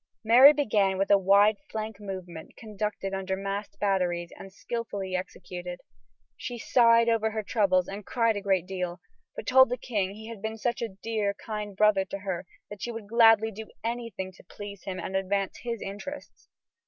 Mary began with a wide flank movement conducted under masked batteries and skilfully executed. She sighed over her troubles and cried a great deal, but told the king he had been such a dear, kind brother to her that she would gladly do anything to please him and advance his interests.